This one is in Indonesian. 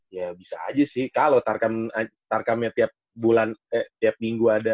ya bisa aja sih kalau tarkamnya tiap minggu ada